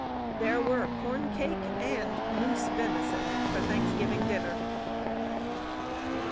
There were corncake and moose venison for Thanksgiving dinner.